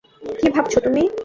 কী ভাবছো তুমি?